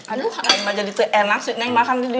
aduh neng mah jadi tuh enak sih makan di sini